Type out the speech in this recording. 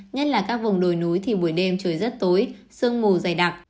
nhất là các vùng đồi núi thì buổi đêm trời rất tối sương mù dày đặc